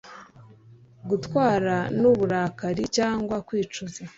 gutwarwa n'uburakari cyangwa kwicuza